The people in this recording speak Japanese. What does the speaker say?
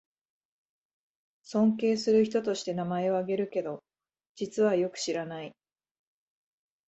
尊敬する人として名前をあげるけど、実はよく知らない